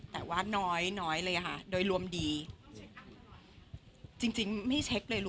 แต่ว่าน้อยโดยรวมดี